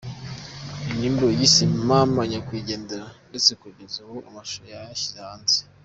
Ni indirimbo yise “Mama Nyakwigendera” ndetse kugeza ubu amashusho yayashyize hanze.